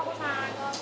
どうぞ。